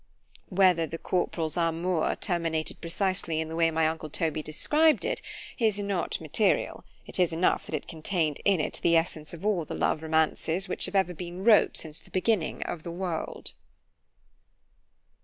Whether the corporal's amour terminated precisely in the way my uncle Toby described it, is not material; it is enough that it contained in it the essence of all the love romances which ever have been wrote since the beginning of the world.